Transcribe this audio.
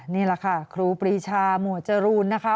นี่แหละค่ะครูปรีชาหมวดจรูนนะคะ